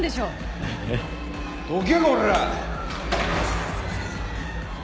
・どけこらぁ！